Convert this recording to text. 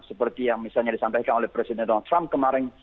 seperti yang misalnya disampaikan oleh presiden donald trump kemarin